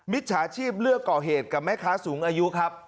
จฉาชีพเลือกก่อเหตุกับแม่ค้าสูงอายุครับ